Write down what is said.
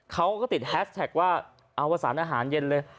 เขาก็ติดแฮสแท็กว่าเอาประสานอาหารเย็นเลย